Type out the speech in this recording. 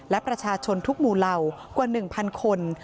และประชาชนทุกหมู่เหล่ากว่า๑๐๐คน